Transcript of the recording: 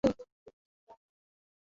ত্রিলোকি, ওকে শান্ত হতে বলো।